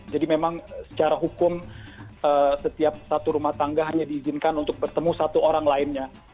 jadi memang secara hukum setiap satu rumah tangga hanya diizinkan untuk bertemu satu orang lainnya